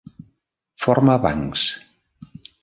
Forma bancs.